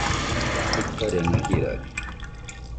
aikarena jirari